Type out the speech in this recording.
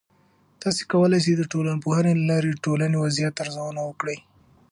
تاسې کولای سئ د ټولنپوهنې له لارې د ټولنې وضعیت ارزونه وکړئ.